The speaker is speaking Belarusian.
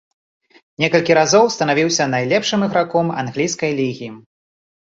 Некалькі разоў станавіўся найлепшым іграком англійскай лігі.